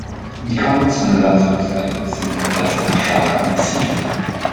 Die Comics um Lazarus Lane sind im Western-Genre angesiedelt.